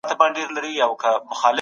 د اوداسه اوبه مخ تازه کوي.